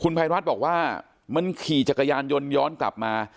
ภัยรัฐบอกว่ามันขี่จักรยานยนต์ย้อนกลับมา